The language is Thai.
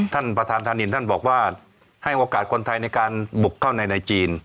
ท่านประธานธานินท่านบอกว่าให้โอกาสคนไทยในการบุกเข้าในจีน